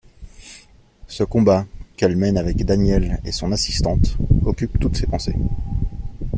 Ce combat, qu'elle mène avec Daniel et son assistante, occupe toutes ses pensées.